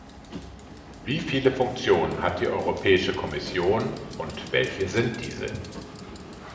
Wie viele Funktionen hat die Europäische Kommission und welche sind diese?